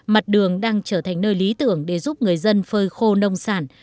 mặt đường đang trở thành nơi lý tưởng để giúp người dân phơi khô nông sản